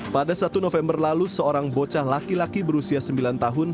pada satu november lalu seorang bocah laki laki berusia sembilan tahun